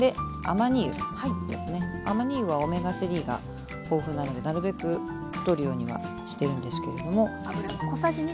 亜麻仁油はオメガ３が豊富なのでなるべくとるようにはしてるんですけれども。